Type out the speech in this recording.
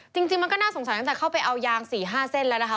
จริงมันก็น่าสงสัยตั้งแต่เข้าไปเอายาง๔๕เส้นแล้วนะคะ